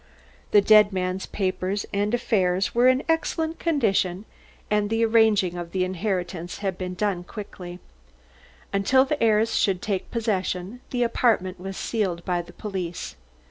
The dead man's papers and affairs were in excellent condition and the arranging of the inheritance had been quickly done. Until the heirs should take possession, the apartment was sealed by the police.